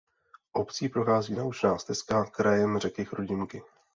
Obcí prochází naučná stezka „"Krajem řeky Chrudimky"“.